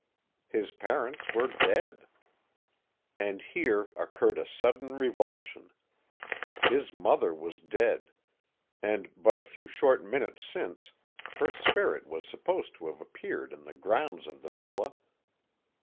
His parents were dead And here occurred a sudden revulsion. His mother was dead and, but a few short minutes since, her spirit was supposed to have appeared in the grounds of the villa.